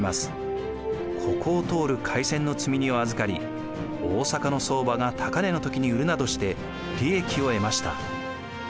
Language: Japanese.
ここを通る廻船の積み荷を預かり大坂の相場が高値の時に売るなどして利益を得ました。